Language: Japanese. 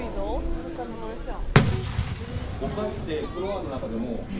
豪華なマンション。